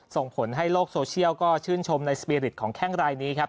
ส่งผลให้โลกโซเชียลก็ชื่นชมในสปีริตของแข้งรายนี้ครับ